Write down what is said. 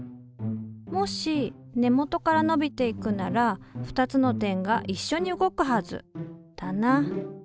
もし根元から伸びていくなら２つの点がいっしょに動くはずだな。